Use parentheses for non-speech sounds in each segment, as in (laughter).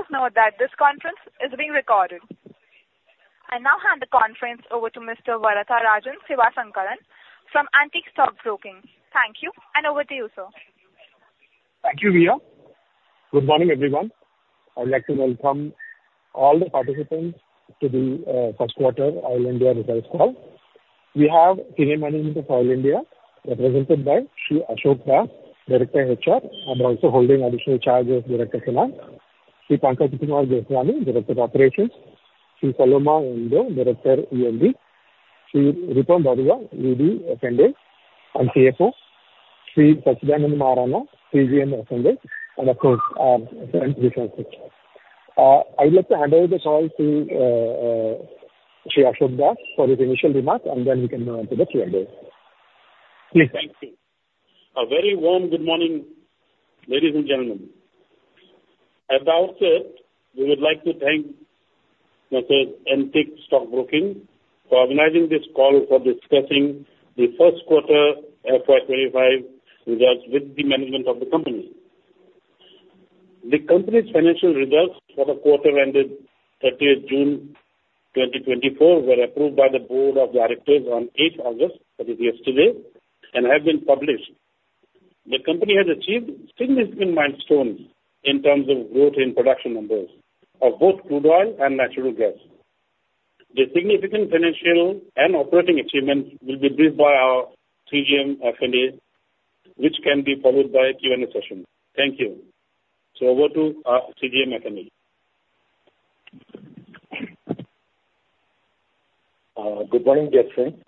Please note that this conference is being recorded. I now hand the conference over to Mr. Varatharajan Sivasankaran from Antique Stock Broking. Thank you, and over to you, sir. Thank you, Mia. Good morning, everyone. I'd like to welcome all the participants to the first quarter Oil India results call. We have senior management of Oil India, represented by Shri Ashok Das, Director HR, and also holding additional charge as Director Finance, Shri Pankaj Kumar Goswami, Director of Operations, Shri Saloma Yomdo, Director E&D, Shri Rupam Barua, ED & CFO, and Shri Sachidananda Maharana, CGM, and, of course, current I'd like to hand over the call to Shri Ashok Das for his initial remarks, and then we can go on to the Q&A. Please. Thank you. A very warm good morning, ladies and gentlemen. At the outset, we would like to thank M/s Antique Stock Broking for organizing this call for discussing the first quarter FY25 results with the management of the company. The company's financial results for the quarter ended 30 June 2024, were approved by the Board of Directors on 8 August, that is yesterday, and have been published. The company has achieved significant milestones in terms of growth in production numbers of both crude oil and natural gas. The significant financial and operating achievements will be briefed by our CGM, F&A, which can be followed by a Q&A session. Thank you. So over to CGM, F&A. Good morning, gentlemen.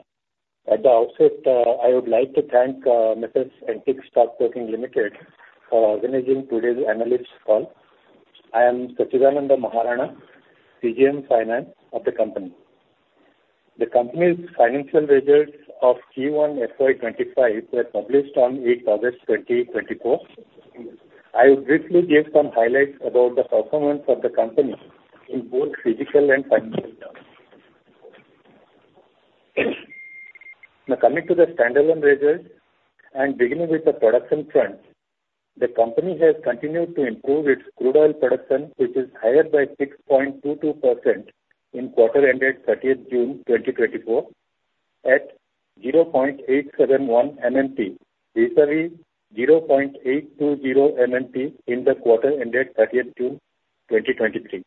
At the outset, I would like to thank Antique Stock Broking Limited for organizing today's analyst call. I am Sachidananda Maharana, CGM Finance of the company. The company's financial results of Q1 FY25 were published on 8 August 2024. I will briefly give some highlights about the performance of the company in both physical and financial terms. Now, coming to the standalone results, and beginning with the production front, the company has continued to improve its crude oil production, which is higher by 6.22% in quarter ended 30 June 2024, at 0.871 MMT, vis-a-vis 0.820 MMT in the quarter ended 30 June 2023.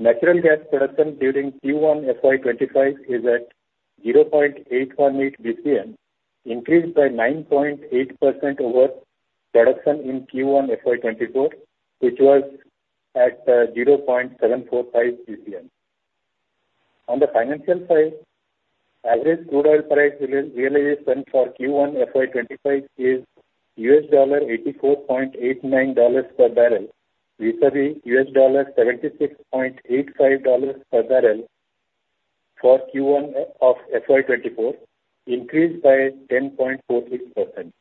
Natural gas production during Q1 FY25 is at 0.818 BCM, increased by 9.8% over production in Q1 FY24, which was at 0.745 BCM. On the financial side, average crude oil price realization for Q1 FY25 is $84.89 per barrel, vis-à-vis $76.85 per barrel for Q1 of FY24, increased by 10.46%.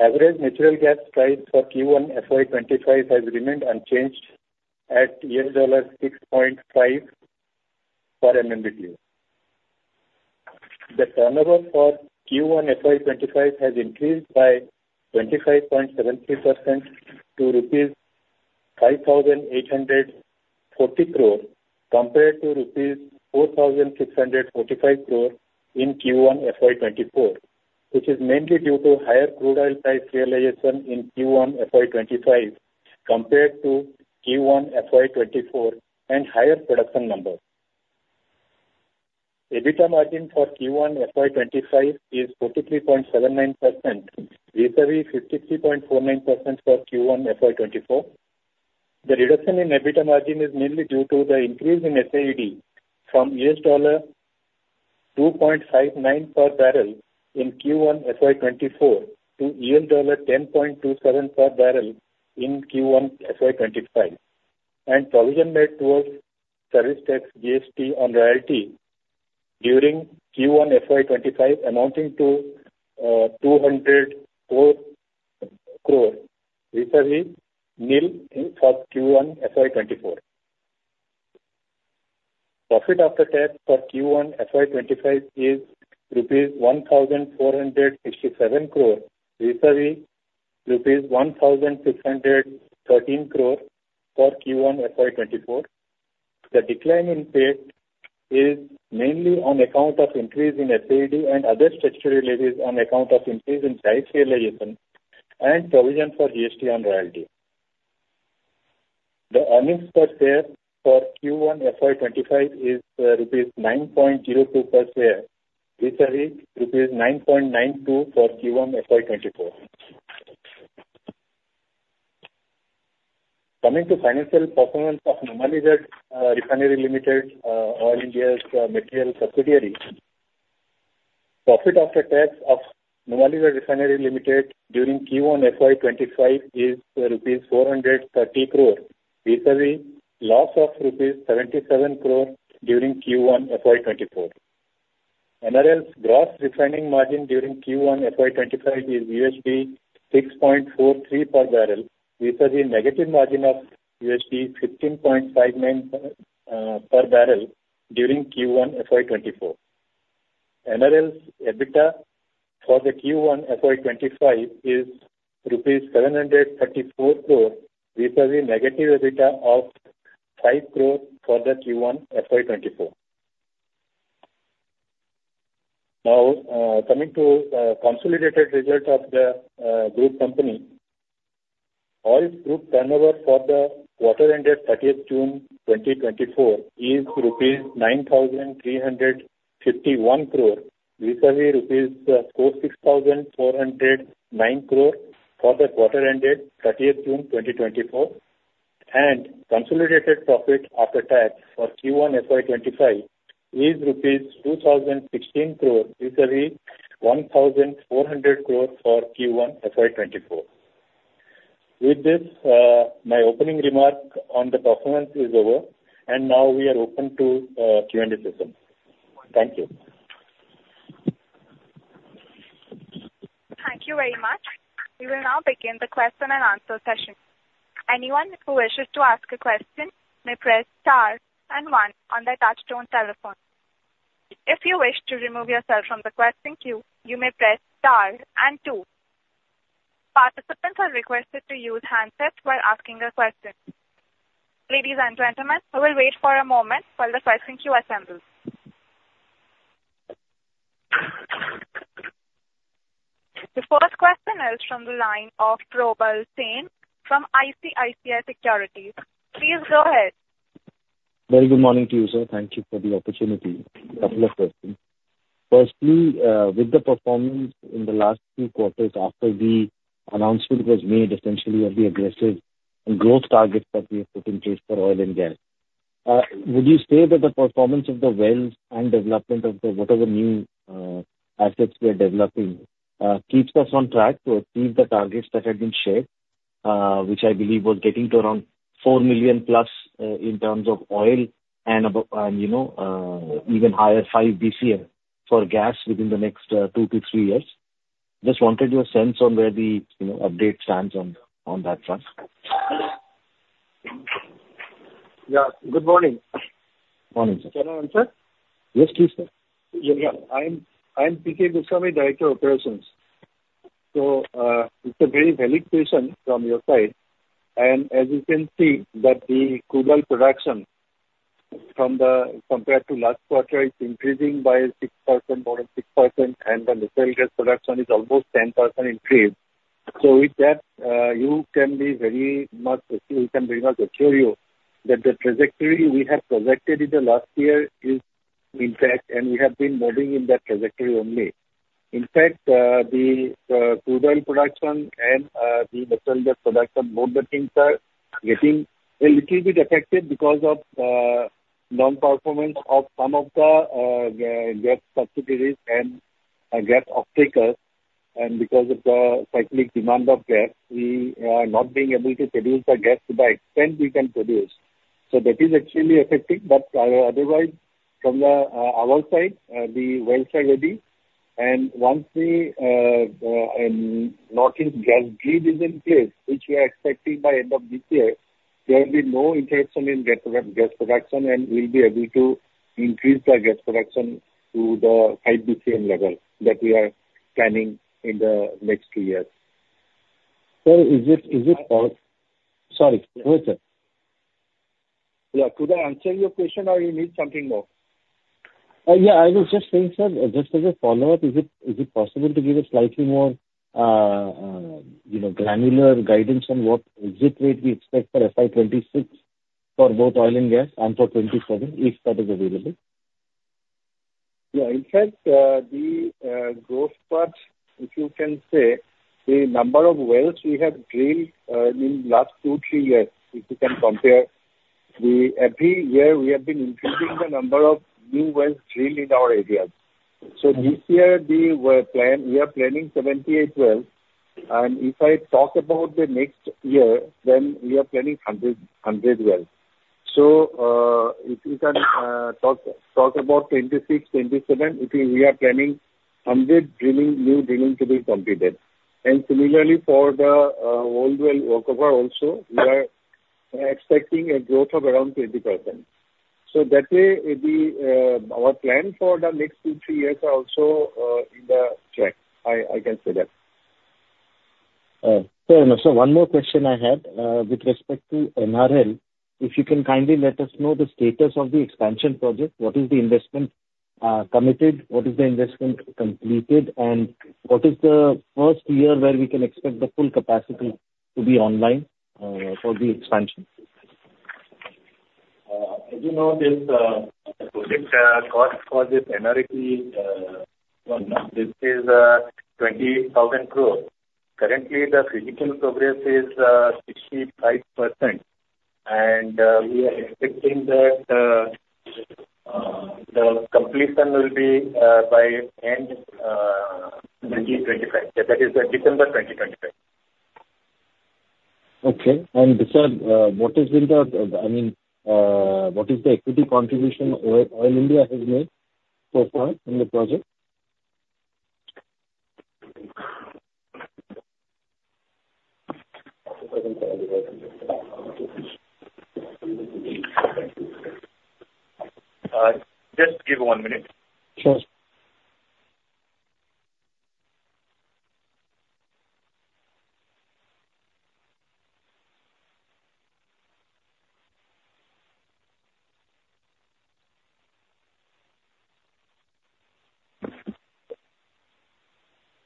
Average natural gas price for Q1 FY25 has remained unchanged at $6.5 per MMBtu. The turnover for Q1 FY25 has increased by 25.73% to rupees 5,840 crore, compared to rupees 4,645 crore in Q1 FY 2024, which is mainly due to higher crude oil price realization in Q1 FY 2025, compared to Q1 FY 2024, and higher production numbers. EBITDA margin for Q1 FY25 is 43.79%, vis-à-vis 53.49% for Q1 FY 2024. The reduction in EBITDA margin is mainly due to the increase in SAED from $2.59 per barrel in Q1 FY24 to $10.27 per barrel in Q1 FY25, and provision made towards service tax, GST, on royalty during Q1 FY 2025, amounting to INR 200 crore, vis-à-vis nil for Q1 FY 2024. Profit after tax for Q1 FY25 is INR 1,487 crore, vis-à-vis INR 1,613 crore for Q1 FY24. The decline in PAT is mainly on account of increase in SAED and other statutory liabilities on account of increase in price realization and provision for GST on royalty. The earnings per share for Q1 FY25 is rupees 9.02 per share, vis-à-vis rupees 9.92 for Q1 FY24. Coming to financial performance of Numaligarh Refinery Limited, Oil India's material subsidiary. Profit after tax of Numaligarh Refinery Limited during Q1 FY25 is rupees 430 crore, vis-à-vis loss of rupees 77 crore during Q1 FY24. NRL's gross refining margin during Q1 FY25 is $6.43 per barrel, vis-à-vis negative margin of $15.59 per barrel during Q1 FY24. NRL's EBITDA for Q1 FY25 is rupees 734 crore, vis-à-vis negative EBITDA of 5 crore for Q1 FY24. Now, coming to consolidated results of the group company. Oil group turnover for the quarter ended thirtieth June 2024 is rupees 9,351 crore, vis-à-vis 46,409 crore rupees for the quarter ended thirtieth June 2024. And consolidated profit after tax for Q1 FY25 is rupees 2,016 crore, vis-à-vis 1,400 crore for Q1 FY24. With this, my opening remark on the performance is over, and now we are open to Q&A session. Thank you. Thank you very much. We will now begin the question and answer session. Anyone who wishes to ask a question may press star and one on their touchtone telephone. If you wish to remove yourself from the question queue, you may press star and two. Participants are requested to use handsets while asking a question. Ladies and gentlemen, we will wait for a moment while the question queue assembles. The first question is from the line of Probal Sen from ICICI Securities. Please go ahead. Very good morning to you, sir. Thank you for the opportunity. A couple of questions. Firstly, with the performance in the last two quarters after the announcement was made essentially of the aggressive growth targets that we have put in place for oil and gas, would you say that the performance of the wells and development of the, whatever new, assets we are developing, keeps us on track to achieve the targets that had been shared, which I believe was getting to around 4 million plus, in terms of oil and above, and, you know, even higher 5 BCF for gas within the next, 2-3 years? Just wanted your sense on where the, you know, update stands on that front. Yeah, good morning. Morning, sir. Can I answer? Yes, please, sir. Yeah. I'm Pankaj Kumar Goswami, Director Operations. So, it's a very valid question from your side, and as you can see that the crude oil production from the compared to last quarter, is increasing by 6%, more than 6%, and the natural gas production is almost 10% increased. So with that, we can very much assure you that the trajectory we have projected in the last year is in fact, and we have been moving in that trajectory only. In fact, the crude oil production and the natural gas production, both the things are getting a little bit affected because of non-performance of some of the gas subsidiaries and gas off takers, and because of the cyclic demand of gas, we are not being able to produce the gas to the extent we can produce. So that is actually affecting, but otherwise, from our side, the wells are ready, and once the North East gas grid is in place, which we are expecting by end of this year, there will be no interruption in gas production, and we'll be able to increase the gas production to the five BCF level that we are planning in the next two years. Sir, is it possible... Sorry, go ahead, sir. Yeah. Could I answer your question, or you need something more? Yeah, I was just saying, sir, just as a follow-up, is it possible to give a slightly more, you know, granular guidance on what exit rate we expect for FY 2026 for both oil and gas and for 2027, if that is available? Yeah. In fact, the growth part, if you can say, the number of wells we have drilled in last 2-3 years, if you can compare, we every year have been increasing the number of new wells drilled in our areas. So this year we are planning 78 wells, and if I talk about the next year, then we are planning 100 wells. So if you can talk about 2026 to 2027, if we are planning 100 drilling, new drilling to be completed. And similarly for the old well workover also, we are expecting a growth of around 20%. So that way, our plan for the next 2 to 3 years are also on track. I can say that. Sir, so one more question I had with respect to NRL. If you can kindly let us know the status of the expansion project, what is the investment committed, what is the investment completed, and what is the first year where we can expect the full capacity to be online for the expansion? As you know, this project cost for this NRL is 20,000 crore. Currently, the physical progress is 65%, and we are expecting that the completion will be by end 2025. That is, December 2025. Okay. Sir, what has been the, I mean, what is the equity contribution Oil India has made so far in the project? Just give one minute. Sure.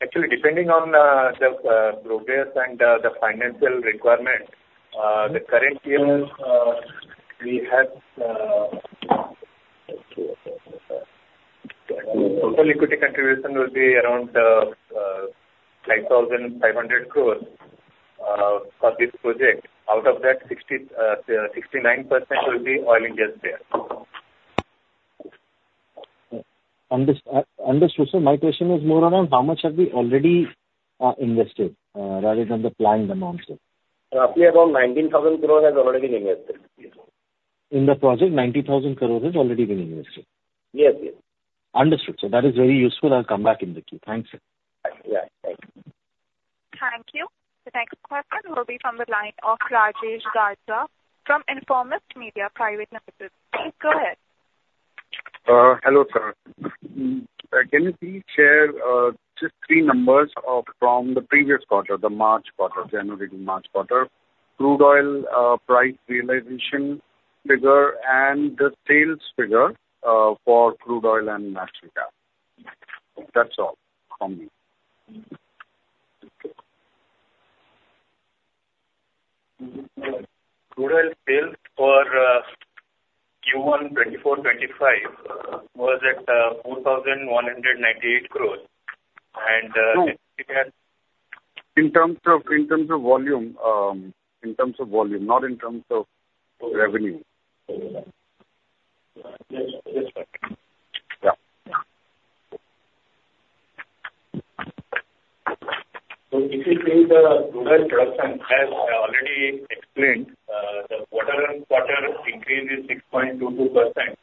Actually, depending on the progress and the financial requirement, the current year, we have total equity contribution will be around 9,500 crore for this project. Out of that 69% will be Oil India's share. Understood, sir. My question was more around how much have we already invested, rather than the planned amount, sir? Roughly around 19,000 crore has already been invested. In the project, 90,000 crore has already been invested? Yes. Understood, sir. That is very useful. I'll come back in the queue. Thanks, sir. Yeah, thank you. Thank you. The next question will be from the line of Rajesh Gajra from Informist Media Private Limited. Please go ahead. Hello, sir. Can you please share just three numbers from the previous quarter, the March quarter, January to March quarter, crude oil price realization figure and the sales figure for crude oil and natural gas? That's all from me. Crude oil sales for Q1 2024-2025 was at 4,198 crores. In terms of volume, not in terms of revenue? Yes, that's right. If you see the crude oil production, as I already explained, the quarter-on-quarter increase is 6.22%.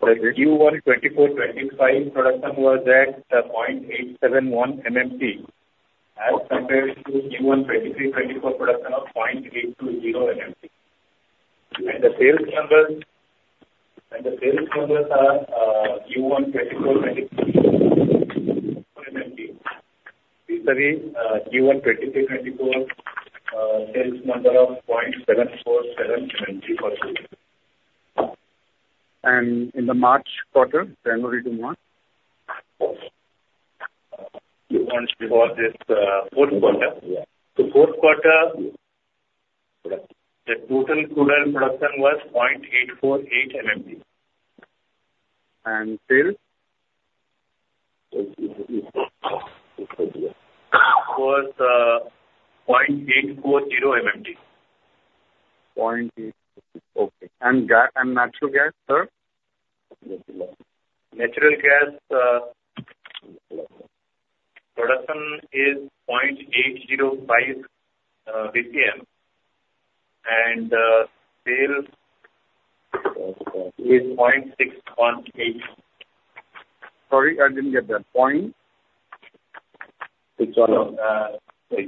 The Q1 2024/2025 production was at point eight seven one MMT, as compared to Q1 2023/2024 production of point eight two zero MMT. And the sales numbers, and the sales numbers are, Q1 2024/2023 MMT. Sorry, Q1 2023/2024, sales number of point seven four seven MMT. In the March quarter, January to March? You know, once we got this Q4. Yeah. The Q4, the total Crude Oil production was 0.848 MMT. And sales? Was 0.840 MMT. Point 8... Okay. And and natural gas, sir? Natural gas production is 0.805 BCM, and sale is 0.618. Sorry, I didn't get that. Point? Which one was- Total sales. Yeah,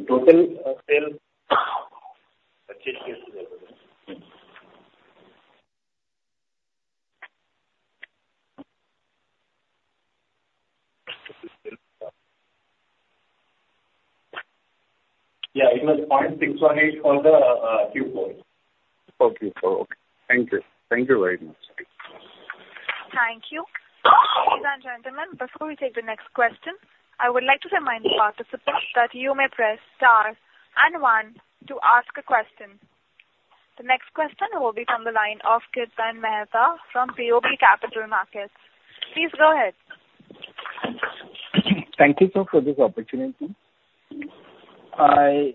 it was 0.618 for the Q4. For Q4. Okay. Thank you. Thank you very much. Thank you. Ladies and gentlemen, before we take the next question, I would like to remind participants that you may press Star and One to ask a question. The next question will be from the line of Kirtan Mehta from BOB Capital Markets. Please go ahead. Thank you, sir, for this opportunity. I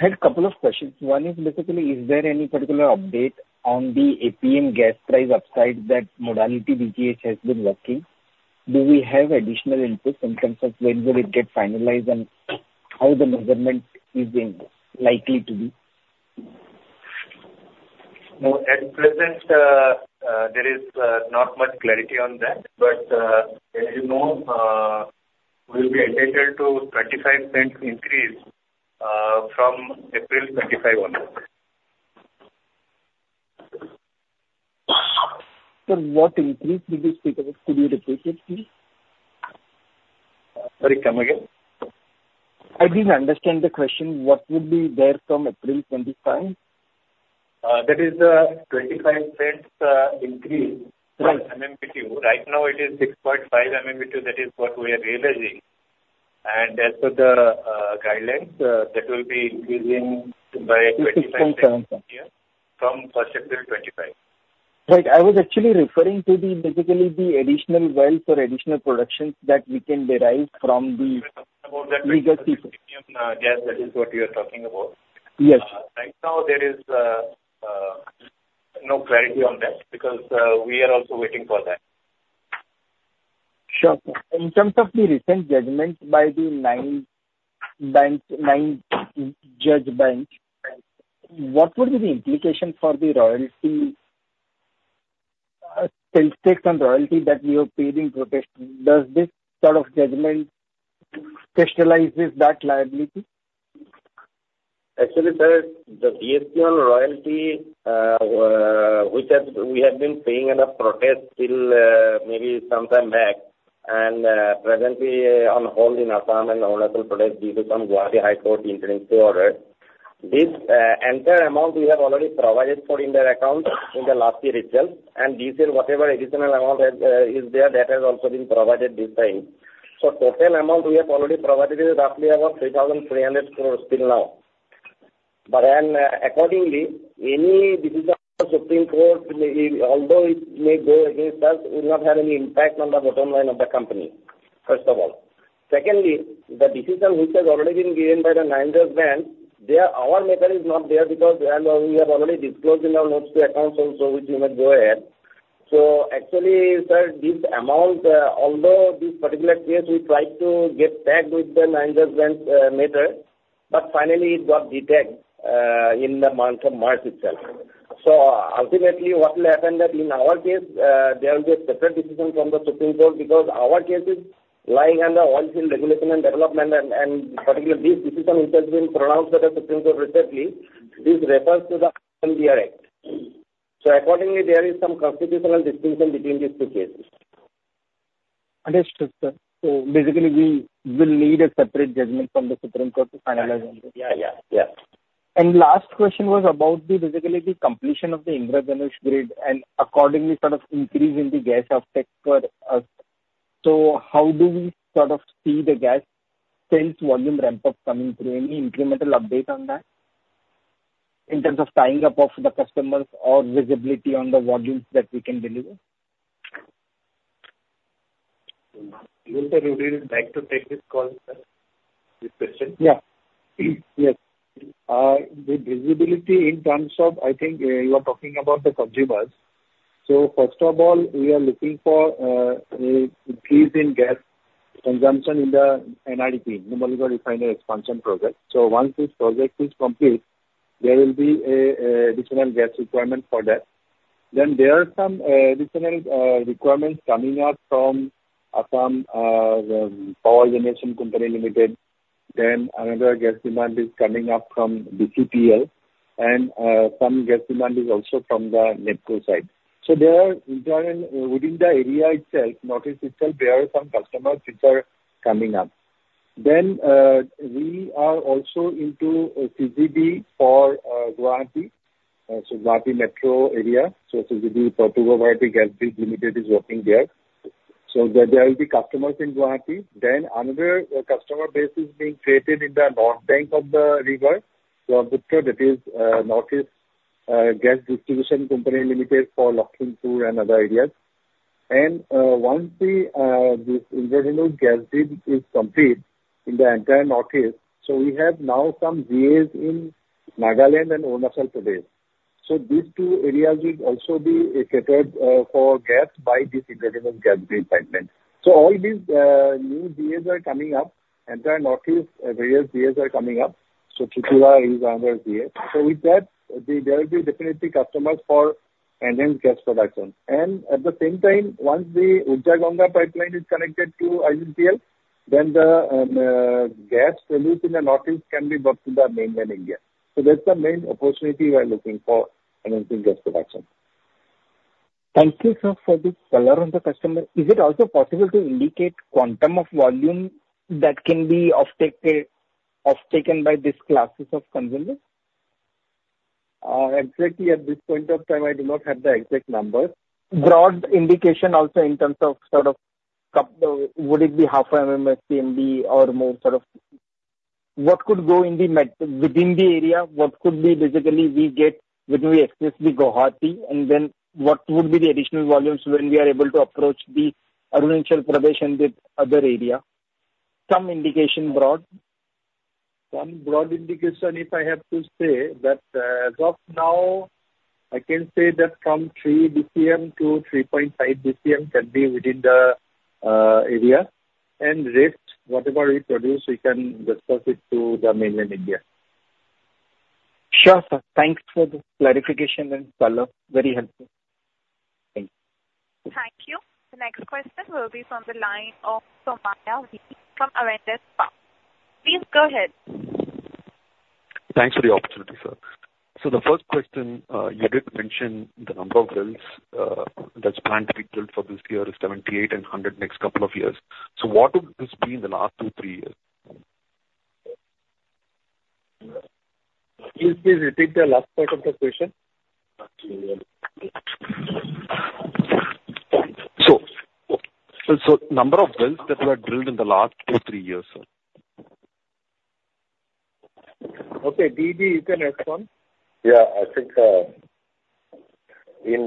had a couple of questions. One is basically, is there any particular update on the APM gas price upside that modality DGH has been working? Do we have additional inputs in terms of when will it get finalized and how the measurement is being likely to be? No, at present, there is not much clarity on that, but as you know, we'll be entitled to $0.25 increase from April 2025 onwards. Sir, what increase will be speaking of? Could you repeat it, please? Sorry, come again. I didn't understand the question. What would be there from April 2025? That is a $0.25 increase. Right. MMBtu. Right now it is $6.5/MMBtu. That is what we are realizing. And as per the guidelines, that will be increasing by 25% from April 1, 2025. Right. I was actually referring to the, basically, the additional wealth or additional productions that we can derive from the-. (crosstalk) About that, gas, that is what you are talking about? Yes. Right now there is no clarity on that, because we are also waiting for that. Sure. In terms of the recent judgment by the nine-judge bench, what would be the implication for the royalty? GST on royalty that you are paying in protest. Does this sort of judgment crystallizes that liability? Actually, sir, the GST on royalty, which has, we have been paying in a protest till, maybe sometime back, and, presently on hold in Assam and Arunachal Pradesh due to some Guwahati High Court interim stay order. This, entire amount we have already provided for in their account in the last year itself, and this year, whatever additional amount has, is there, that has also been provided this time. So total amount we have already provided is roughly about 3,300 crore till now. But then, accordingly, any decision of Supreme Court, may, although it may go against us, will not have any impact on the bottom line of the company, first of all. Secondly, the decision which has already been given by the nine-judge bench, there, our matter is not there because, and we have already disclosed in our notes to accounts also, which we may go ahead. So actually, sir, this amount, although this particular case, we tried to get tagged with the nine-judge bench matter, but finally it got detached in the month of March itself. So ultimately, what will happen that in our case, there will be a separate decision from the Supreme Court, because our case is lying under Oilfield Regulation and Development, and particularly, this decision, which has been pronounced by the Supreme Court recently, this refers to the MMDR Act Understood, sir. So basically, we will need a separate judgment from the Supreme Court to finalize on this? Yeah. And last question was about the, basically, the completion of the Indradhanush Gas Grid, and accordingly, sort of increase in the gas offtake for us. So how do we sort of see the gas sales volume ramp up coming through? Any incremental update on that, in terms of tying up of the customers or visibility on the volumes that we can deliver? You would like to take this call, sir, this question? Yeah. Yes. The visibility in terms of, I think, you are talking about the consumers. So first of all, we are looking for a increase in gas consumption in the NRP, Numaligarh Refinery Expansion Project. So once this project is complete, there will be a additional gas requirement for that. Then there are some additional requirements coming up from Assam Power Generation Corporation Limited. Then another gas demand is coming up from BCPL, and some gas demand is also from the NEEPCO side. So there are within the area itself, northeast itself, there are some customers which are coming up. Then we are also into a CGD for Guwahati, so Guwahati metro area. So North East Gas Distribution Company Limited is working there. So there will be customers in Guwahati. Then another customer base is being created in the north bank of the river, so that is North East Gas Distribution Company Limited for Lakhimpur and other areas. And once this Indradhanush Gas Grid is complete in the entire Northeast. So we have now some GAs in Nagaland and Arunachal Pradesh. So these two areas will also be catered for gas by this Indradhanush Gas Grid pipeline. So all these new GAs are coming up, entire Northeast, various GAs are coming up. So Tripura is another GA. So with that, there will be definitely customers for enhanced gas production. And at the same time, once the Pradhan Mantri Urja Ganga pipeline is connected to IGGL, then the gas produced in the Northeast can be brought to the mainland India. That's the main opportunity we are looking for enhancing gas production. Thank you, sir, for the color on the customer. Is it also possible to indicate quantum of volume that can be offtaken by these classes of con sumers? Exactly at this point of time, I do not have the exact number. Broad indication also in terms of sort of, cap, would it be half a MMSCMD or more, sort of, what could go in the market within the area? What could be basically we get when we access the Guwahati, and then what would be the additional volumes when we are able to approach the Arunachal Pradesh and the other area? Some indication, broad? Some broad indication, if I have to say that, as of now, I can say that from 3 BCM-3.5 BCM can be within the area, and rest, whatever we produce, we can discuss it to the mainland India. Sure, sir. Thanks for the clarification and color. Very helpful. Thank you. The next question will be from the line of Somaiya V. from Avendus Spark. Please go ahead. Thanks for the opportunity, sir. So the first question, you did mention the number of wells, that's planned to be drilled for this year is 78 and 100 next couple of years. So what would this be in the last 2 to 3 years? Please, please repeat the last part of the question. Number of wells tha were drilled in the last 2 to 3 years, sir? Okay, DB, you can respond. Yeah, I think, in...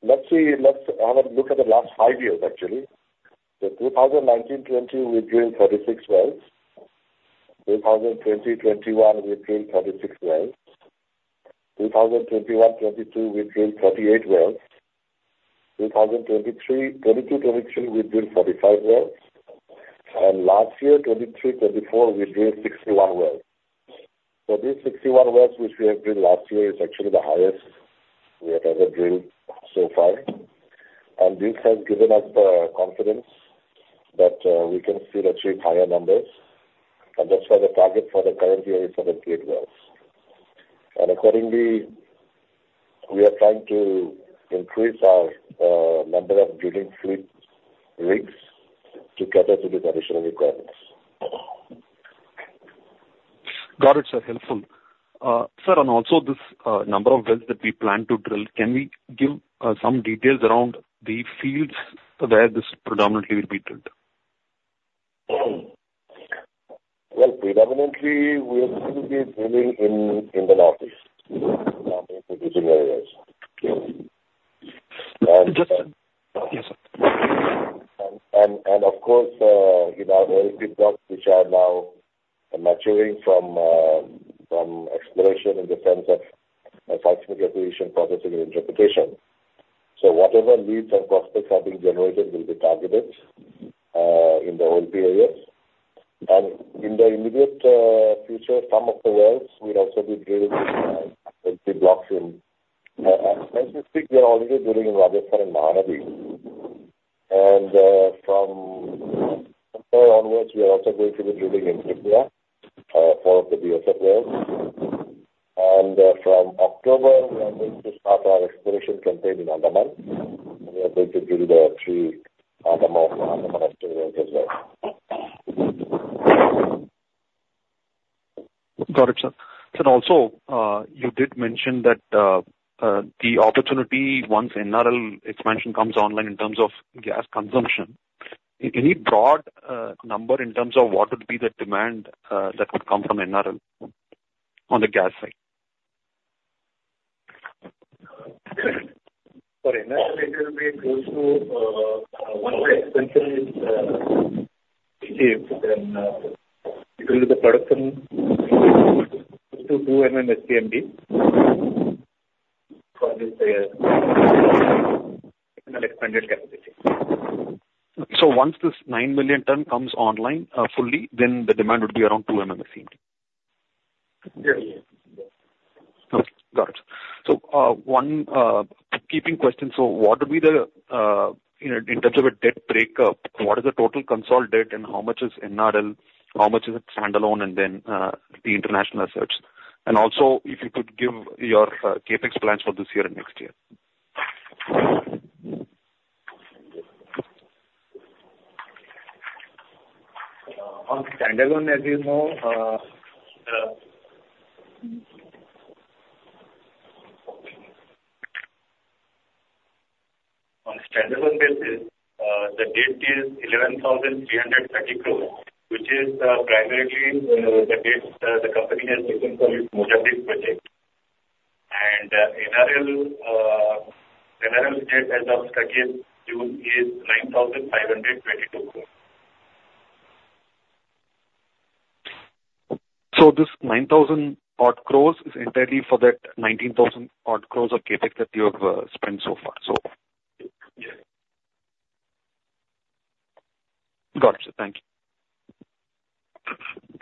Let's see, let's have a look at the last five years, actually. The 2019 to 2020, we drilled 36 wells. 2020 to 2021, we drilled 36 wells. 2021 to 2022, we drilled 38 wells. 2023, 2022 to 2023, we drilled 45 wells, and last year, 2023 to 2024, we drilled 61 wells. So these 61 wells, which we have drilled last year, is actually the highest we have ever drilled so far, and this has given us the confidence that, we can still achieve higher numbers. And that's why the target for the current year is 78 wells. And accordingly, we are trying to increase our, number of drilling fleet rigs to cater to the additional requirements. Got it, sir. Helpful. Sir, and also this, number of wells that we plan to drill, can we give, some details around the fields where this predominantly will be drilled? Well, predominantly, we are going to be drilling in, in the northeast, in the northeast regions. Okay. Just-- Yes, sir. Of course, in our oilfield blocks, which are now maturing from exploration in the sense of seismic acquisition, processing, and interpretation. So whatever leads and prospects have been generated will be targeted in the oilfield areas. In the immediate future, some of the wells will also be drilled in the blocks. As you speak, we are already drilling in Rajasthan and Mahanadi. From further onwards, we are also going to be drilling in India for the DSF wells. From October, we are going to start our exploration campaign in Andaman, and we are going to build the 3 Andaman exploratory as well. Got it, sir. So also, you did mention that the opportunity once NRL expansion comes online in terms of gas consumption, any broad number in terms of what would be the demand that would come from NRL on the gas side? For NRL, it will be close to, once the expansion is achieved, then, it will be the production to 2 MMSCMD for this year, expanded capacity. Once this 9 million ton comes online, fully, then the demand would be around 2 MMSCMD? Yes. Okay, got it. So, one keeping question: So what will be the, you know, in terms of a debt breakup, what is the total consolidated, and how much is NRL, how much is it standalone, and then, the international assets? And also, if you could give your CapEx plans for this year and next year. On standalone, as you know, on a standalone basis, the debt is 11,330 crore, which is primarily the debt the company has taken from its project. NRL's debt as of June 31 is 9,522 crore. This 9,000-odd crores is entirely for that 19,000-odd crores of CapEx that you have spent so far, so? Yeah. Got it, sir. Thank you.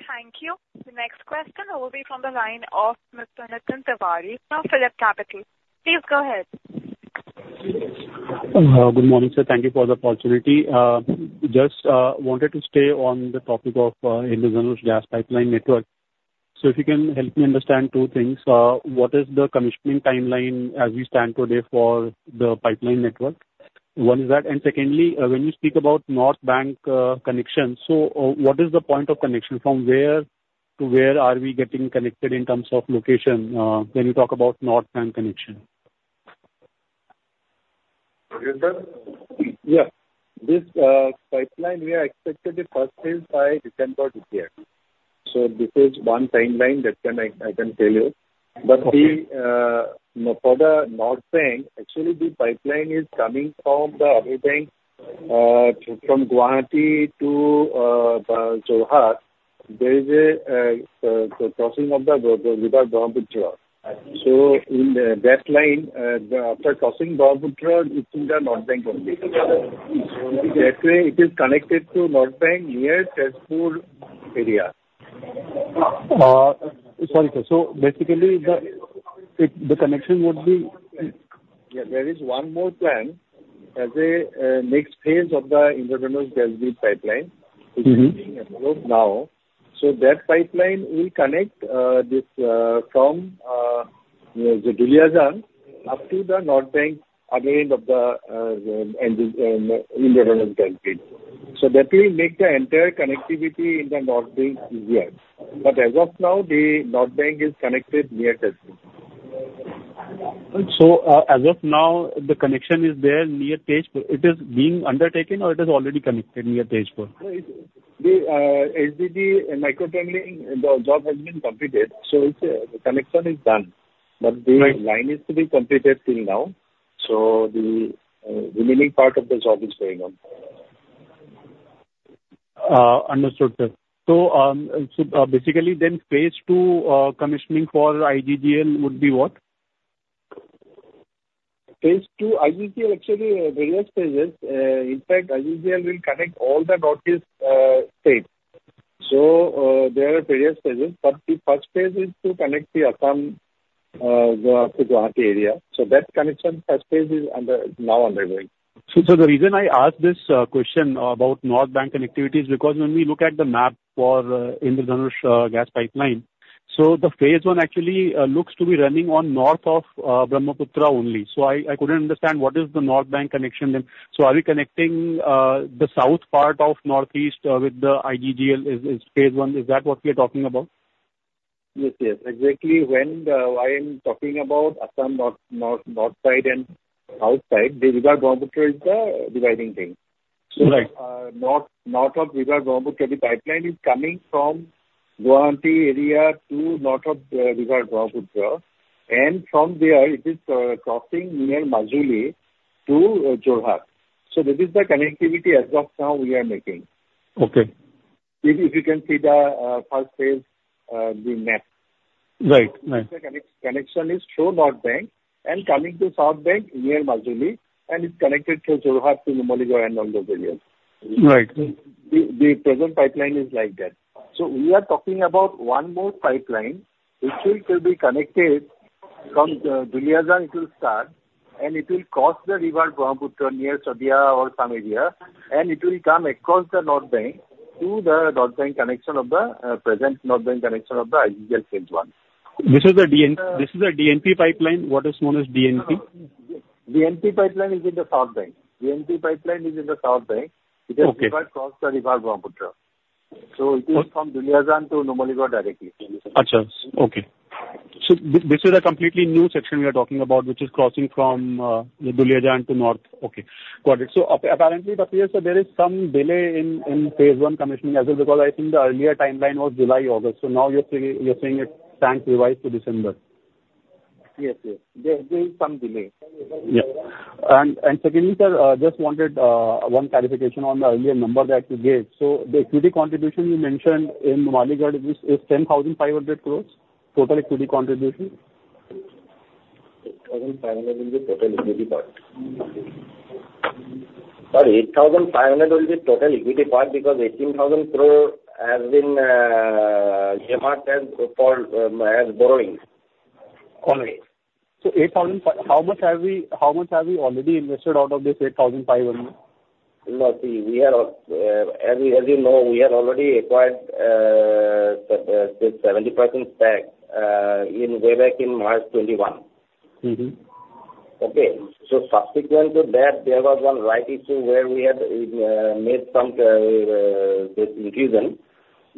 Thank you. The next question will be from the line of Mr. Nitin Tiwari from PhillipCapital. Please go ahead. Good morning, sir. Thank you for the opportunity. Just wanted to stay on the topic of Indradhanush gas pipeline network. So if you can help me understand two things: What is the commissioning timeline as we stand today for the pipeline network? One is that, and secondly, when you speak about North Bank connection, so what is the point of connection? From where to where are we getting connected in terms of location, when you talk about North Bank connection? This pipeline, we expect first gas by December this year. So this is one timeline that I can tell you. But the, for the North Bank, actually, the pipeline is coming from the other bank, from Guwahati to Jorhat. There is a crossing of the river Brahmaputra. So in that line, after crossing Brahmaputra, it's in the North Bank connection. That way, it is connected to North Bank near Tezpur area. Sorry, sir. So basically, the connection would be? Yeah, there is one more plan as a next phase of the Indradhanush Gas Grid pipeline which is being approved now. So that pipeline will connect this from Duliajan up to the North Bank, other end of the Indradhanush gas grid. So that will make the entire connectivity in the North Bank easier. But as of now, the North Bank is connected near Tezpur. So, as of now, the connection is there near Tezpur. It is being undertaken or it is already connected near Tezpur? The HGD micro tunneling, the job has been completed, so it's the connection is done. Right. The line is to be completed till now, so the remaining part of the job is going on now. Understood, sir. So, basically, then phase two commissioning for IGGL would be what? Phase two, IGGL actually, various phases. In fact, IGGL will connect all the Northeast states. So, there are various phases, but the first phase is to connect the Assam to Guwahati area. So that connection, first phase, is now underway. So the reason I ask this question about North Bank connectivity is because when we look at the map for Indo-Gangetic gas pipeline, so the phase one actually looks to be running on north of Brahmaputra only. So I couldn't understand what is the North Bank connection then. So are we connecting the south part of northeast with the IGGL is phase one? Is that what we are talking about? Yes, yes. Exactly. When I am talking about Assam north side and south side, the river Brahmaputra is the dividing thing. So, north, north of river Brahmaputra, the pipeline is coming from Guwahati area to north of river Brahmaputra, and from there, it is crossing near Majuli to Jorhat. So this is the connectivity as of now we are making. Okay. If you can see the first phase, the map. (crosstalk) The connection is through North Bank and coming to South Bank near Majuli, and it's connected to Jorhat, to Numaligarh, and all those areas. (crosstalk) The present pipeline is like that. So we are talking about one more pipeline, which will be connected from Duliajan. It will start, and it will cross the river Brahmaputra near Sadiya or some area, and it will come across the North Bank to the North Bank connection of the present North Bank connection of the IGGL phase 1. This is the DNP, this is the DNP pipeline, what is known as DNP? DNP pipeline is in the South Bank. DNP pipeline is in the South Bank. (crosstalk) It has crossed the river Brahmaputra. So it is from Duliajan to Numaligarh directly. Okay. So this is a completely new section we are talking about, which is crossing from Duliajan to north. Okay, got it. So apparently, but here, sir, there is some delay in phase one commissioning as well, because I think the earlier timeline was July, August. So now you're saying, you're saying it stands revised to December? Yes, yes. There, there is some delay. Yeah. And secondly, sir, just wanted one clarification on the earlier number that you gave. So the equity contribution you mentioned in Numaligarh, is this 10,500 crore, total equity contribution? 8,500 will be total equity part. Sir, 8,500 will be total equity part, because 18,000 crore has been earmarked for borrowings. Only. So 8,500 - how much have we already invested out of this 8,500? No, see, as you know, we have already acquired this 70% stake way back in March 2021. Okay? So subsequently, there was one right issue where we had made some this infusion.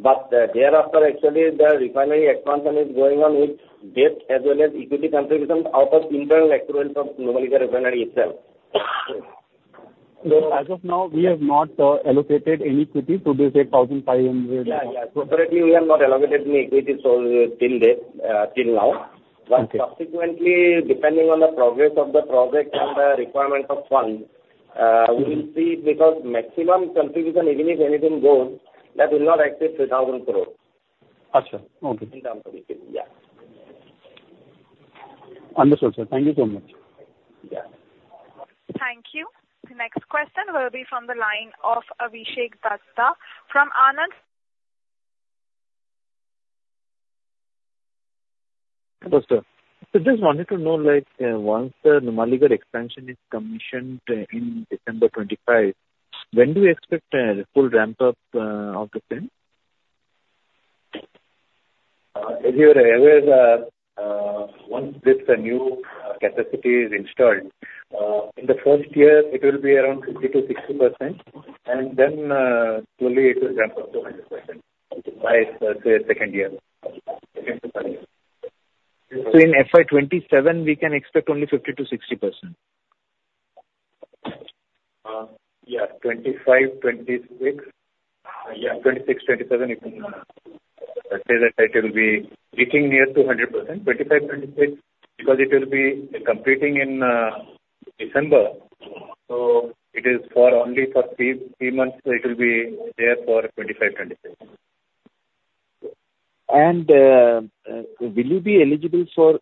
But thereafter, actually, the refinery expansion is going on with debt as well as equity contribution out of internal accruals of Numaligarh Refinery itself. As of now, we have not allocated any equity to this 8,500? Yeah, yeah. Separately, we have not allocated any equity so till date, till now. But subsequently, depending on the progress of the project and the requirement of funds, we will see, because maximum contribution, even if anything goes, that will not exceed 3,000 crore in terms of equity, yeah. Understood, sir. Thank you so much. Thank you. The next question will be from the line of Abhishek Datta from Anand. Hello, sir. So just wanted to know, like, once the Numaligarh expansion is commissioned, in December 2025, when do you expect full ramp up of the same? As you are aware, once this new capacity is installed, in the first year, it will be around 50% to 60%, and then, slowly it will ramp up to 100% by, say, second year. In FY 2027, we can expect only 50% to 60%? Yeah, 2025, 2026... Yeah, 2026, 2027, it can say that it will be reaching near to 100%. 2025, 2026, because it will be completing in December, so it is for only for three, three months it will be there for 2025, 2026. Will you be eligible for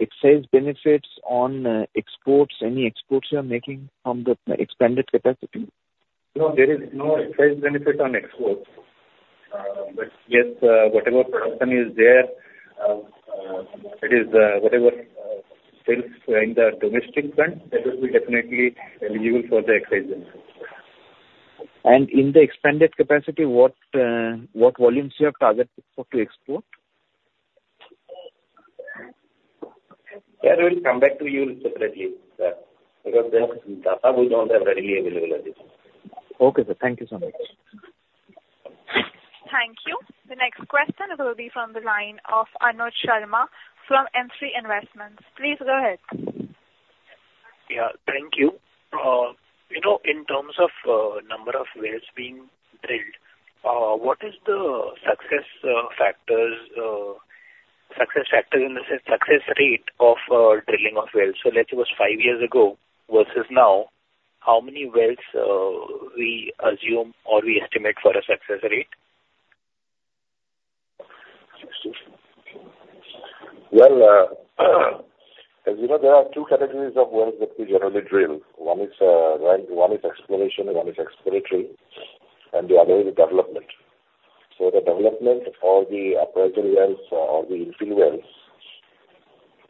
excise benefits on exports, any exports you are making from the expanded capacity? No, there is no excise benefit on export. But yes, whatever production is there, that is, whatever sales in the domestic front, that will be definitely eligible for the excise benefit. In the expanded capacity, what volumes you have targeted for to export? Yeah, we'll come back to you separately, sir, because the data we don't have readily available at this time. Okay, sir. Thank you so much. Thank you. The next question will be from the line of Anuj Sharma from M3 Investments. Please go ahead. Yeah, thank you. You know, in terms of number of wells being drilled, what is the success factor in the success rate of drilling of wells. So let's say it was five years ago versus now, how many wells we assume or we estimate for a success rate? Well, as you know, there are two categories of wells that we generally drill. One is, right, one is exploration and one is exploratory, and the other is development. So the development or the operating wells or the infill wells,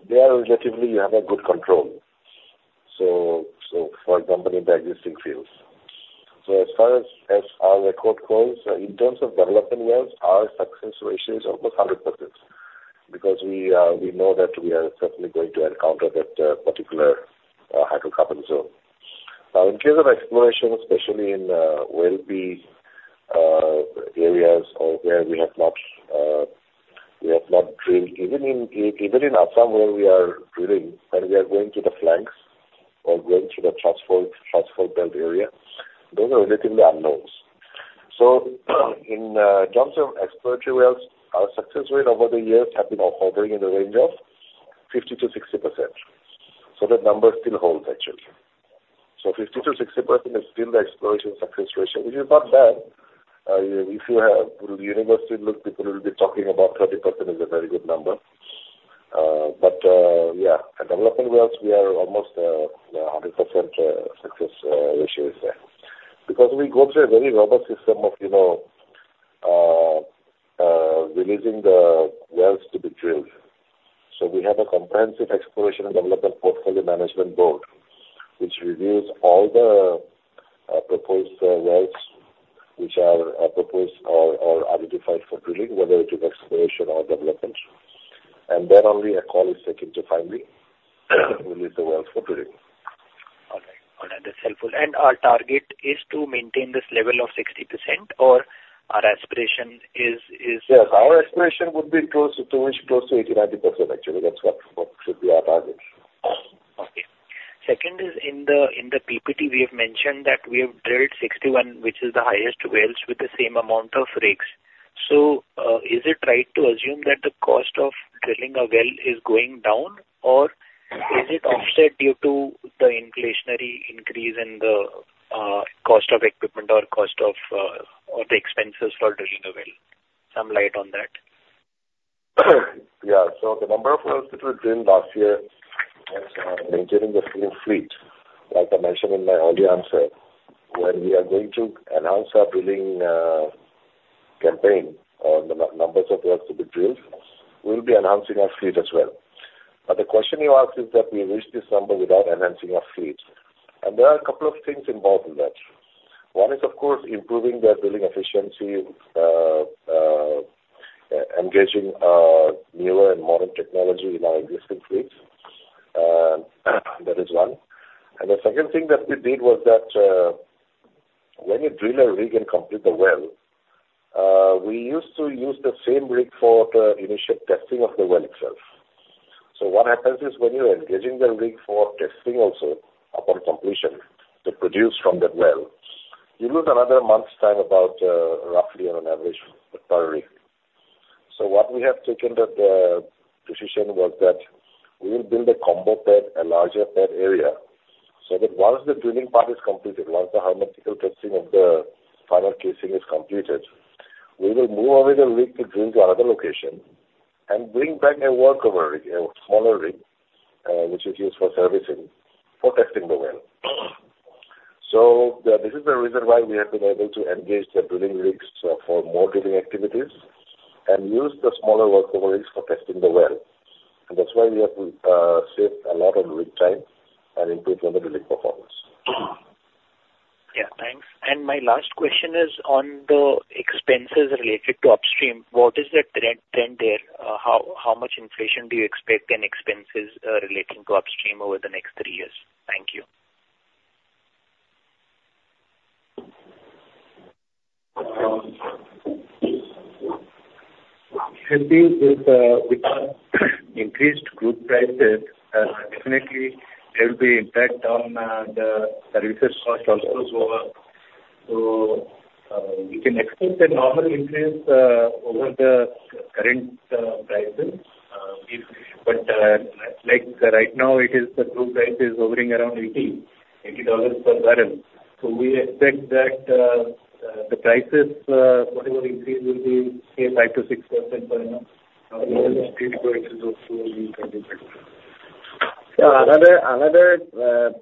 they are relatively have a good control. So for example, in the existing fields. So as far as our record goes, in terms of development wells, our success ratio is almost 100%, because we know that we are certainly going to encounter that particular hydrocarbon zone. Now, in case of exploration, especially in well-being areas or where we have not drilled, even in Assam, where we are drilling and we are going to the flanks or going to the thrust belt area, those are relatively unknowns. So in terms of exploratory wells, our success rate over the years have been hovering in the range of 50%-60%. So that number still holds, actually. So 50%-60% is still the exploration success ratio, which is not bad. If you have university look, people will be talking about 30% is a very good number. But yeah, at development wells, we are almost hundred percent success ratio is there. Because we go through a very robust system of, you know, releasing the wells to be drilled. So we have a comprehensive exploration and development portfolio management board, which reviews all the proposed wells which are proposed or identified for drilling, whether it is exploration or development, and then only a call is taken to finally release the wells for drilling. All right. All right, that's helpful. And our target is to maintain this level of 60%, or our aspiration is, Yes, our aspiration would be close to, close to 80, 90%, actually, that's what, what should be our target. Okay. Second is in the PPT, we have mentioned that we have drilled 61, which is the highest wells with the same amount of rigs. So, is it right to assume that the cost of drilling a well is going down, or is it offset due to the inflationary increase in the cost of equipment or cost of, or the expenses for drilling a well? Some light on that. Yeah. So the number of wells that we drilled last year is maintaining the full fleet. Like I mentioned in my earlier answer, when we are going to announce our drilling campaign on the numbers of wells to be drilled, we'll be announcing our fleet as well. But the question you asked is that we reached this number without enhancing our fleet, and there are a couple of things involved in that. One is, of course, improving their drilling efficiency, engaging newer and modern technology in our existing fleets. That is one. And the second thing that we did was that, when you drill a rig and complete the well, we used to use the same rig for the initial testing of the well itself. So what happens is, when you are engaging the rig for testing also upon completion, to produce from that well, you lose another month's time about, roughly on an average per rig. So what we have taken that decision was that we will build a combo pad, a larger pad area, so that once the drilling part is completed, once the hermetical testing of the final casing is completed, we will move over the rig to drill to another location and bring back a workover rig, a smaller rig, which is used for servicing, for testing the well. So this is the reason why we have been able to engage the drilling rigs for more drilling activities and use the smaller workover rigs for testing the well. And that's why we have saved a lot on rig time and improved on the drilling performance. Yeah, thanks. My last question is on the expenses related to upstream. What is the trend there? How much inflation do you expect and expenses relating to upstream over the next three years? Thank you. With the increased crude prices, definitely there will be impact on the research cost also. So, we can expect a normal increase over the current prices. But, like right now, it is the crude price is hovering around $80 per barrel. So we expect that the prices, whatever increase will be, say, 5%-6% per annum, still going to go through in 2023. So another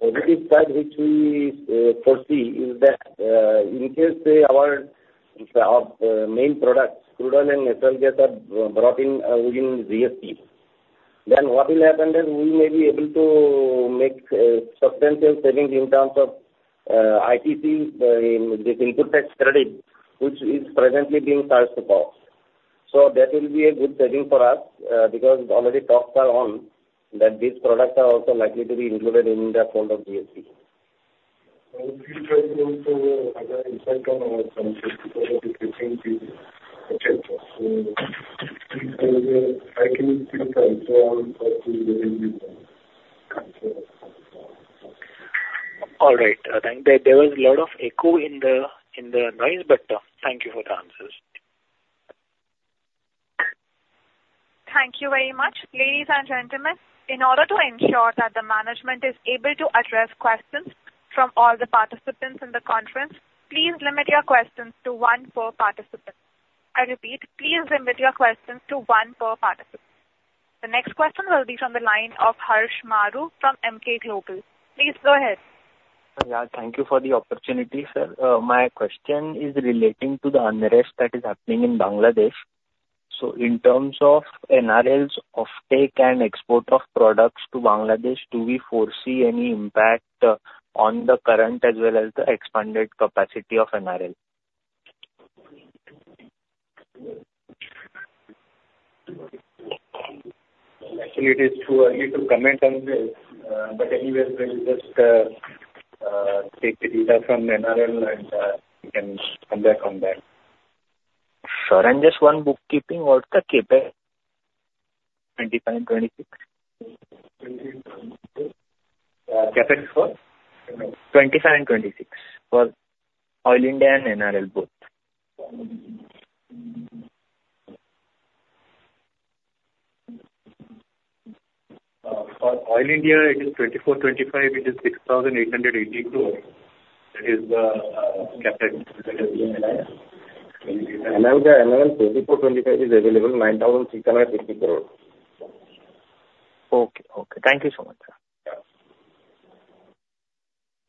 positive side, which we foresee is that, in case, say, our main products, crude oil and natural gas, are brought in within GST, then what will happen is we may be able to make substantial savings in terms of ITC, in this input tax credit, which is presently being charged to power. So that will be a good saving for us, because already talks are on that these products are also likely to be included in the fold of GST. I will try to also other insight on our in terms of in the same field. So please go ahead. I can give you the answer on that as well. All right. Thank you. There was a lot of echo in the noise, but thank you for the answers. Thank you very much. Ladies and gentlemen, in order to ensure that the management is able to address questions from all the participants in the conference, please limit your questions to one per participant. I repeat, please limit your questions to one per participant. The next question will be from the line of Harsh Maru from Emkay Global. Please go ahead. Yeah, thank you for the opportunity, sir. My question is relating to the unrest that is happening in Bangladesh. So in terms of NRL's offtake and export of products to Bangladesh, do we foresee any impact on the current as well as the expanded capacity of NRL? Actually, it is too early to comment on this. But anyway, let me just take the data from NRL and we can come back on that. Sir, and just one bookkeeping: what's the CapEx? 2025 and 2026? CapEx for? 2025 and 2026 for Oil India and NRL both. For Oil India, it is 24-25, it is 6,880 crore. That is the CapEx. Now the NRL 2024-25 is available INR 9,660 crore. Okay. Thank you so much, sir.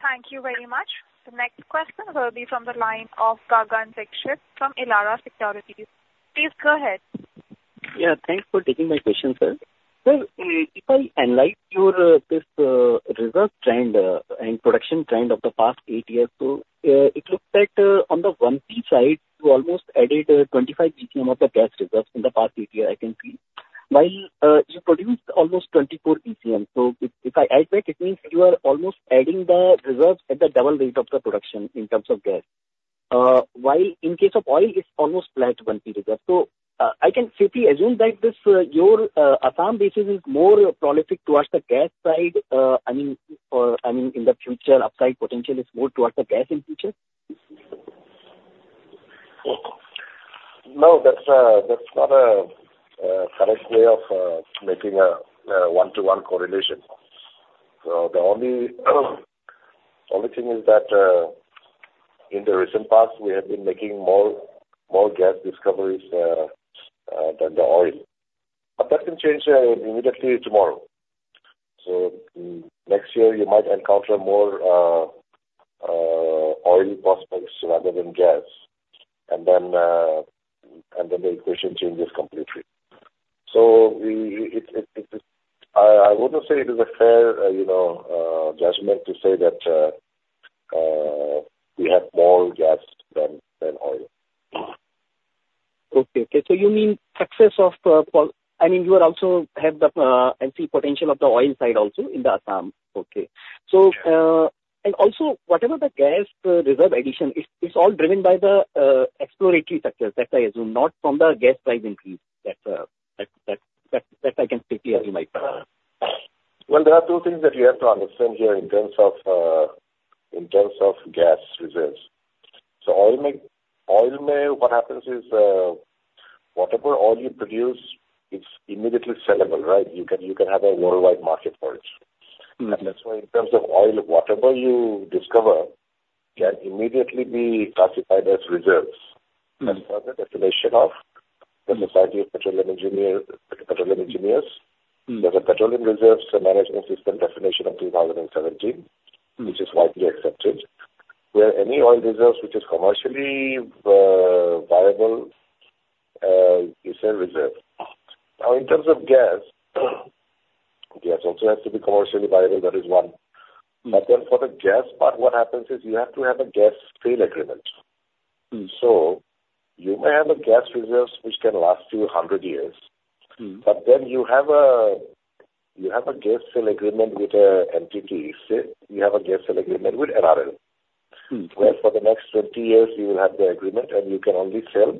Thank you very much. The next question will be from the line of Gagan Dixit from Elara Securities Please go ahead. Yeah, thanks for taking my question, sir. Sir, if I analyze your this reserve trend and production trend of the past eight years, so it looks like on the 1P side, you almost added 25 BCM of the gas reserves in the past year, I can see. While you produced almost 24 BCM. So if I right, it means you are almost adding the reserves at the double rate of the production in terms of gas. While in case of oil, it's almost flat 1P reserve. So I can safely assume that this your Assam basin is more prolific towards the gas side, I mean, I mean, in the future, upside potential is more towards the gas in future? No, that's not a correct way of making a one-to-one correlation. So the only thing is that in the recent past, we have been making more gas discoveries than the oil. But that can change immediately tomorrow. So next year you might encounter more oil prospects rather than gas, and then the equation changes completely. So it is... I wouldn't say it is a fair, you know, judgment to say that we have more gas than oil. Okay. So you mean excess of, I mean, you are also have the, and see potential of the oil side also in the Assam. And also, whatever the gas reserve addition, it's all driven by the exploratory sector, that I assume, not from the gas price increase, that I can safely assume, right? Well, there are two things that you have to understand here in terms of, in terms of gas reserves. So, what happens is, whatever oil you produce, it's immediately sellable, right? You can have a worldwide market for it. That's why in terms of oil, whatever you discover can immediately be classified as reserves. That's what the definition of the Society of Petroleum Engineers. There's a Petroleum Resources Management System definition of 2017 which is widely accepted, where any oil reserves which is commercially viable is a reserve. Now, in terms of gas, gas also has to be commercially viable, that is one. But then for the gas part, what happens is you have to have a gas sale agreement. You may have a gas reserves which can last you 100 years. But then you have a gas sale agreement with an entity. Say, you have a gas sale agreement with NRL. Where for the next 20 years you will have the agreement, and you can only sell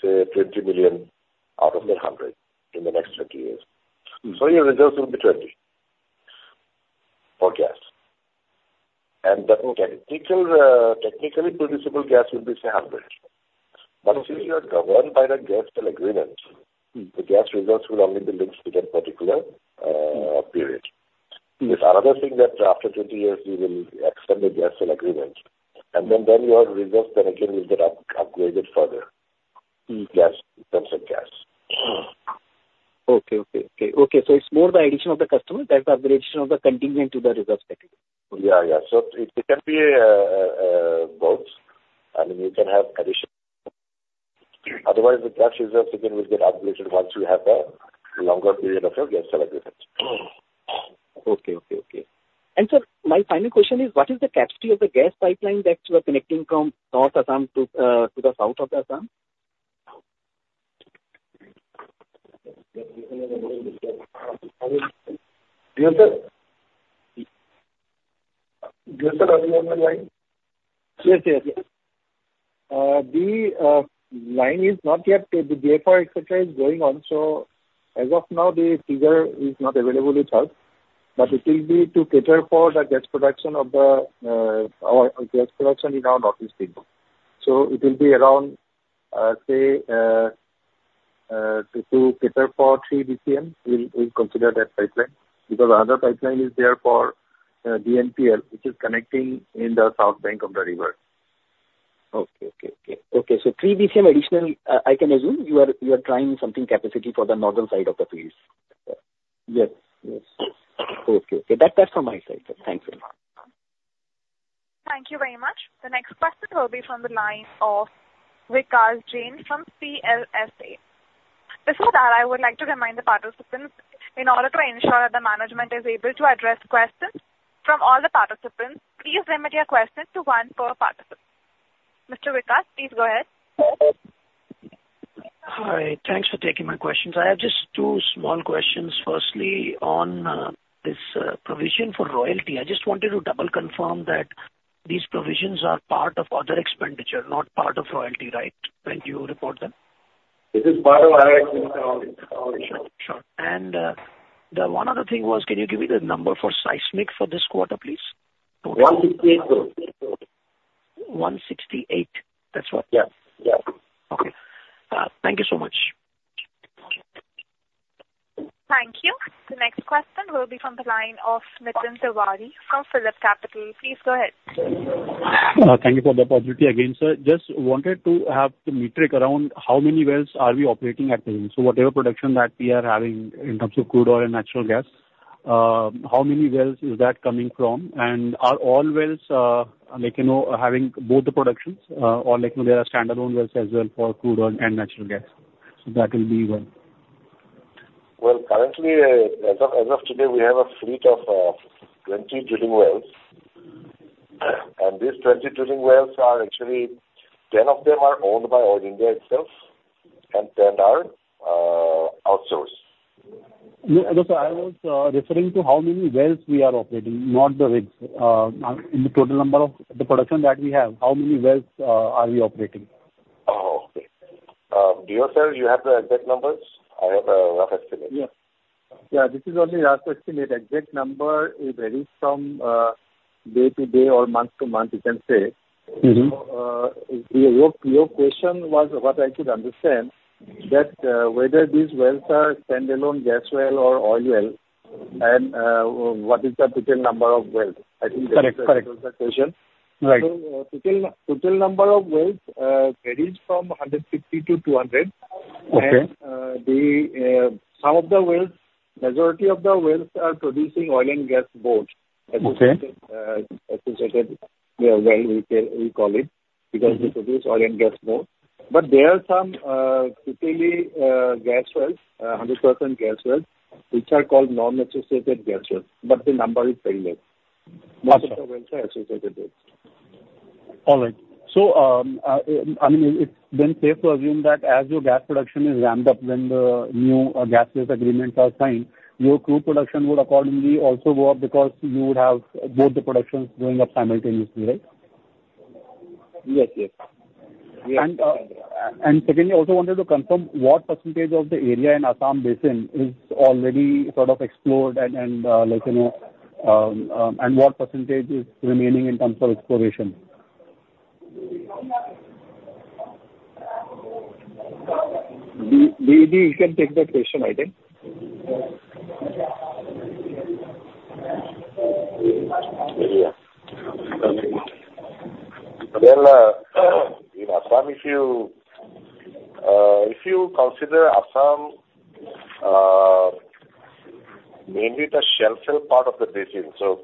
20 million out of the 100 in the next 20 years So your reserves will be 20 for gas. And that will get... Technically, technically producible gas will be, say, 100. But since you are governed by the gas sale agreement. The gas reserves will only be linked to that particular period. It's another thing that after 20 years, you will extend the gas sale agreement, and then, then your reserves then again will get upgraded further. Gas, in terms of gas. Okay. So it's more the addition of the customer than the addition of the contingent to the reserve category? Yeah. It, it can be both. I mean, you can have addition. Otherwise, the gas reserves again will get upgraded once you have the longer period of your gas sale agreement. Okay, Sir, my final question is: what is the capacity of the gas pipeline that you are connecting from North Assam to the south of Assam? Hello, sir. The line is not yet, the DFR exercise is going on, so as of now, the figure is not available with us, but it will be to cater for the gas production of the, our gas production in our Northeast state. So it will be around, say, to cater for 3 BCM, we'll consider that pipeline, because the other pipeline is there for, DNPL, which is connecting in the south bank of the river. Okay. 3 BCM additional, I can assume you are trying something capacity for the northern side of the place? Yes. Yes. Okay, okay. That's from my side, sir. Thank you. Thank you very much. The next question will be from the line of Vikash Jain from CLSA. Before that, I would like to remind the participants, in order to ensure the management is able to address questions from all the participants, please limit your questions to one per participant. Mr. Vikash, please go ahead. Hi, thanks for taking my questions. I have just two small questions. Firstly, on this provision for royalty. I just wanted to double confirm that these provisions are part of other expenditure, not part of royalty, right, when you report them? It is part of our other expenditure only. Sure. The one other thing was, can you give me the number for seismic for this quarter, please? 168 crores. 168, that's what? Yes. Okay. Thank you so much. Thank you. The next question will be from the line of Nitin Tiwari from PhillipCapital. Please go ahead. Thank you for the opportunity again, sir. Just wanted to have the metric around how many wells are we operating at the moment? So whatever production that we are having in terms of crude oil and natural gas, how many wells is that coming from? And are all wells, like, you know, having both the productions, or like, there are standalone wells as well for crude oil and natural gas? So that will be well. Well, currently, as of today, we have a fleet of 20 drilling wells. And these 20 drilling wells are actually, 10 of them are owned by Oil India itself, and 10 are outsourced. No, no, sir, I was referring to how many wells we are operating, not the rigs. In the total number of the production that we have, how many wells are we operating? Oh, okay. DO, sir, you have the exact numbers? I have a rough estimate. Yes. Yeah, this is only rough estimate. Exact number, it varies from, day to day or month to month, you can say. So, your question was, what I could understand, that whether these wells are standalone gas well or oil well, and what is the total number of wells? Correct, correct. I think that was the question. Right. Total, total number of wells varies from 150 to 200. Okay. Some of the wells, majority of the wells are producing oil and gas both. Okay. Associated, yeah, well, we can, we call it- Mm-hmm. Because we produce oil and gas both. But there are some, strictly, gas wells, 100% gas wells, which are called non-associated gas wells, but the number is very less. Okay. Most of the wells are associated with. All right. I mean, it's then safe to assume that as your gas production is ramped up when the new gas-based agreements are signed, your crude production would accordingly also go up because you would have both the productions going up simultaneously, right? Yes. And, secondly, I also wanted to confirm what percentage of the area in the Assam Basin is already sort of explored and, like, you know, and what percentage is remaining in terms of exploration? He can take that question, I think. Yeah. Well, in Assam, if you consider Assam, mainly the shelf part of the basin. So,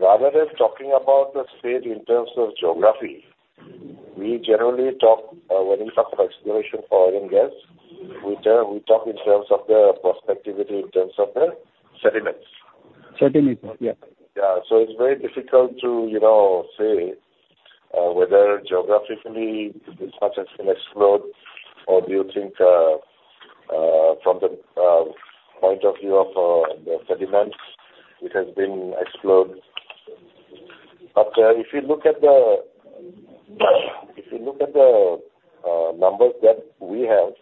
rather than talking about the state in terms of geography, we generally talk, when in terms of exploration for oil and gas, we tell, we talk in terms of the prospectivity, in terms of the sediments. Sediments, yeah. Yeah. So it's very difficult to, you know, say whether geographically this much has been explored or do you think from the point of view of the sediments, it has been explored. But, if you look at the numbers that we have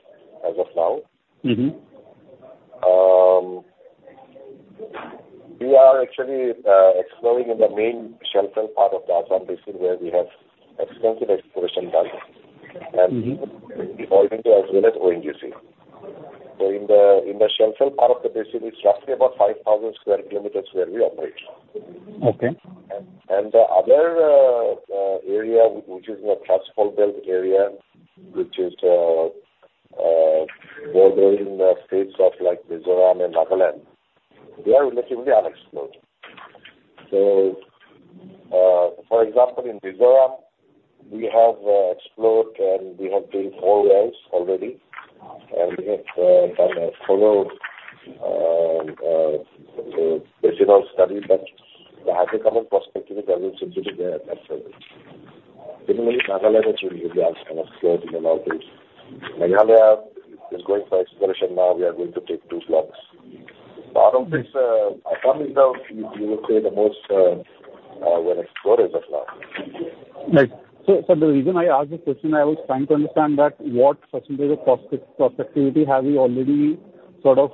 as of now. We are actually exploring in the main shelf part of the Assam Basin, where we have extensive exploration done. Oil India as well as ONGC. In the shelf part of the basin, it's roughly about 5,000 sq km where we operate. Okay. The other area, which is in the platform belt area, which is bordering the states of, like, Mizoram and Nagaland, they are relatively unexplored. So, for example, in Mizoram, we have explored and we have drilled four wells already, and we have done a thorough basin of study, but there has become a prospective presence to be there at present. Similarly, Nagaland actually, we have kind of explored in all this. Meghalaya is going for exploration now. We are going to take two blocks out of this, coming down, you would say the most were explorers as well. Right. So, the reason I asked this question, I was trying to understand that what percentage of prospectivity have you already sort of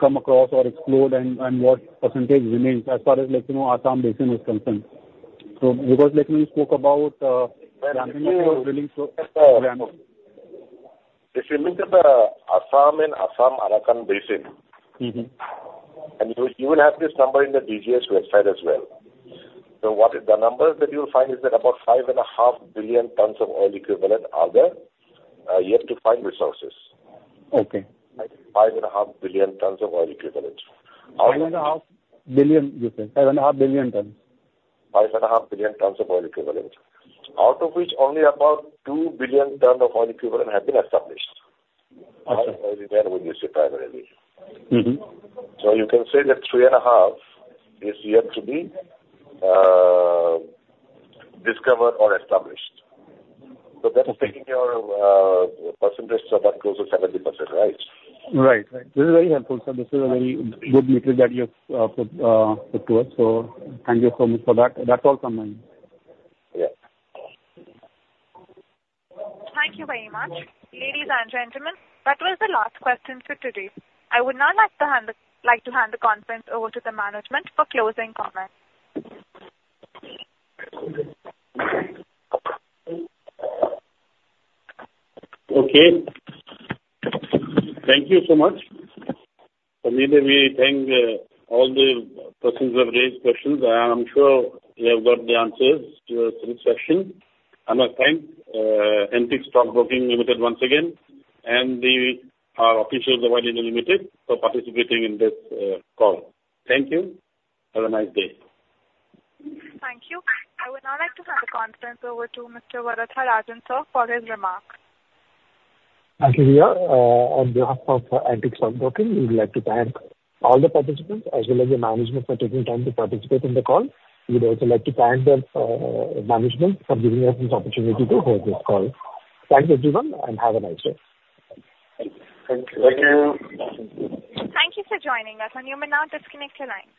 come across or explored, and what percentage remains as far as, like, you know, Assam Basin is concerned? So because, like, when you spoke about. If you look at the Assam and Assam-Arakan basin and you, you will have this number in the DGS website as well. So what is, the number that you'll find is that about 5.5 billion tons of oil equivalent are there yet to find resources. 5.5 billion tons of oil equivalent. 5.5 billion, you say? 5.5 billion tons. 5.5 billion tons of oil equivalent, out of which only about 2 billion tons of oil equivalent have been established. Okay. There would you say primarily. Mm-hmm. So you can say that 3.5 is yet to be discovered or established. So that is taking your percentage to about close to 70%, right? Right. Right. This is very helpful, sir. This is a very good material that you've put to us, so thank you so much for that. That's all from me. Yes. Thank you very much. Ladies and gentlemen, that was the last question for today. I would now like to hand the conference over to the management for closing comments. Okay. Thank you so much. From here we thank all the persons who have raised questions. I am sure you have got the answers to your questions. I must thank Antique Stock Broking Limited once again, and our officials of Oil India Limited, for participating in this call. Thank you. Have a nice day. Thank you. I would now like to hand the conference over to Mr. Varatharajan, sir, for his remarks. Thank you. On behalf of Antique Stock Broking, we would like to thank all the participants, as well as the management, for taking time to participate in the call. We'd also like to thank the management for giving us this opportunity to hold this call. Thanks, everyone, and have a nice day. Thank you. Thank you. Thank you for joining us, and you may now disconnect your lines.